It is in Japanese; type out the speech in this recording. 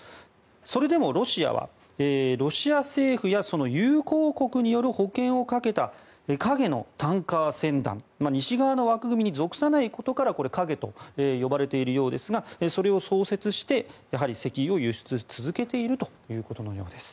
それでもロシアは、ロシア政府やその友好国による保険をかけた影のタンカー船団西側の枠組みに属さないことからこれは影と呼ばれているようですがそれを創設してやはり石油を輸出し続けているということです。